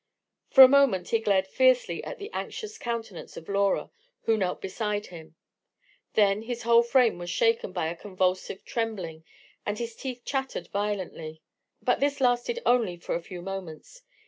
For a moment he glared fiercely at the anxious countenance of Laura, who knelt beside him: then his whole frame was shaken by a convulsive trembling, and his teeth chattered violently. But this lasted only for a few moments.